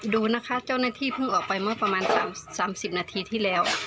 ดูนะคะเจ้าหน้าที่เพิ่งออกไปเมื่อประมาณ๓๐นาทีที่แล้ว